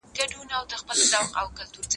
زه ليکنه نه کوم!؟